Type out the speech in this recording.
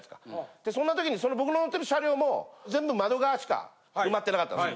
でそんな時に僕の乗ってる車両も全部窓側しか埋まってなかったんです。